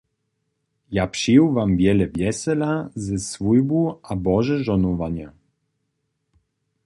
Ja přeju Wam wjele wjesela ze swójbu a bože žohnowanje.